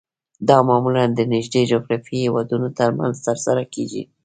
دا معمولاً د نږدې جغرافیایي هیوادونو ترمنځ ترسره کیږي